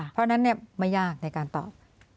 เพราะฉะนั้นไม่ยากในการตอบ